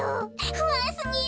ふあんすぎる。